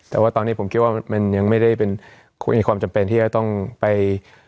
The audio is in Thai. แต่ว่าตอนนี้ผมคิดว่ามันยังไม่ได้เป็นมีความจำเป็นที่จะต้องไป